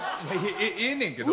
ええねんけど。